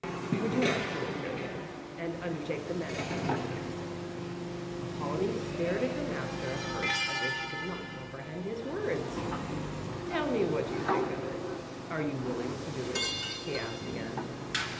"Would you like to live here again and undertake the management of the castle?" Apollonie stared at her master at first as if she could not comprehend his words. "Tell me what you think of it? Are you willing to do it?" he asked again.